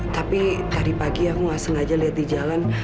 tapi dari pagi aku gak sengaja lihat di jalan